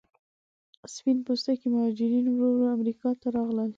سپین پوستکي مهاجرین ورو ورو امریکا ته راغلل.